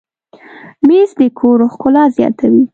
مېز د کور ښکلا زیاتوي.